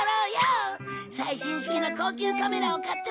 最新式の高級カメラを買ってもらったんだ！